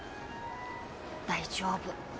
大丈夫。